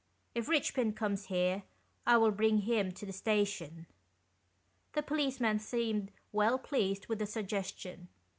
If Eichpin comes 'here, I will bring him to the station." The policeman seemed well pleased with the suggestion.